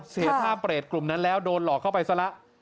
เสียท่าเปรตกลุ่มนั้นแล้วโดนหลอกเข้าไปซะละ